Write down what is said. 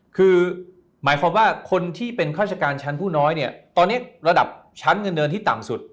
คือหมายความว่าคนที่เป็นข้าราชการชั้นผู้น้อยเนี่ยตอนนี้ระดับชั้นเงินเดินที่ต่ำสุด